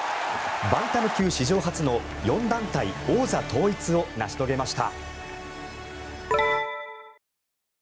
バンタム級史上初の４団体王座統一を成し遂げました。